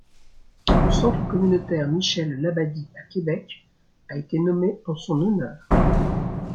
Le Centre communautaire Michel-Labadie, à Québec, a été nommé en son honneur.